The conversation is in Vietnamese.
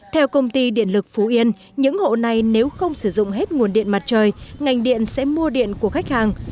theo công ty điện lực phú yên những hộ này nếu không sử dụng hết nguồn điện mặt trời ngành điện sẽ mua điện của khách hàng